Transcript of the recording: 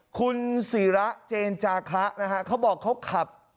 คุณศิระเจนจาคะนะฮะเขาบอกเขาขับ